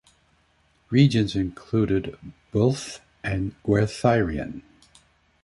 Regions included Builth and Gwerthrynion.